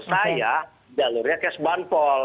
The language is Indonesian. saya jalurnya ks bantol